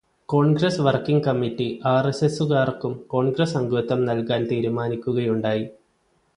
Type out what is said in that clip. Congress working committee ആര്എസ്എസുകാര്ക്കും കോണ്ഗ്രസ്സ് അംഗത്വം നല്കാന് തീരുമാനിക്കുകയുണ്ടായി.